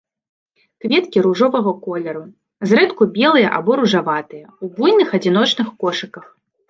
Кветкі ружовага колеру, зрэдку белыя або ружаватыя, у буйных адзіночных кошыках.